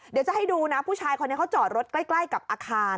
เดี๋ยวจะให้ดูนะผู้ชายคนนี้เขาจอดรถใกล้กับอาคาร